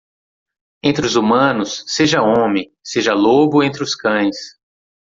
Entre os humanos, seja homem, seja lobo entre os cães.